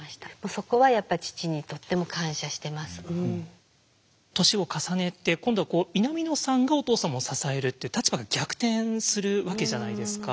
そこはやっぱり父に年を重ねて今度はこう南野さんがお父様を支えるって立場が逆転するわけじゃないですか。